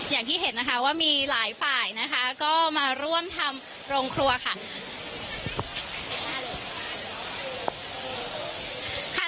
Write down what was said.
อย่างที่เห็นว่ามีหลายฝ่ายมาร่วมทำโรงครัวค่ะ